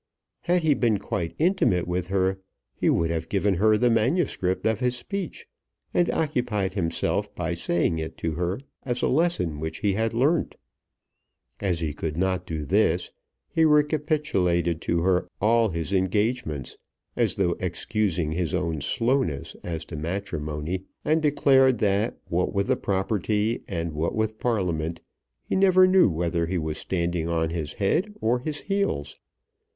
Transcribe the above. Had he been quite intimate with her he would have given her the manuscript of his speech, and occupied himself by saying it to her as a lesson which he had learnt. As he could not do this he recapitulated to her all his engagements, as though excusing his own slowness as to matrimony, and declared that what with the property and what with Parliament, he never knew whether he was standing on his head or his heels.